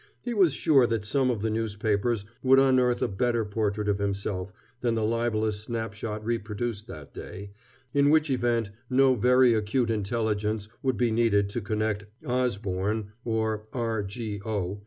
He was sure that some of the newspapers would unearth a better portrait of himself than the libelous snapshot reproduced that day, in which event no very acute intelligence would be needed to connect "Osborne" or "R. G. O."